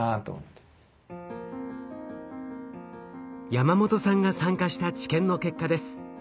ヤマモトさんが参加した治験の結果です。